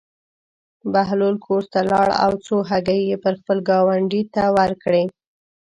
بهلول کور ته لاړ او څو هګۍ یې خپل ګاونډي ته ورکړې.